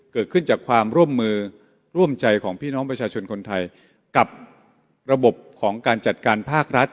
เกิดขึ้นจากความร่วมมือร่วมใจของพี่น้องประชาชนคนไทยกับระบบของการจัดการภาครัฐ